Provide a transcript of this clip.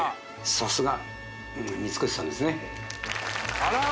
さすが三越さんですねあら！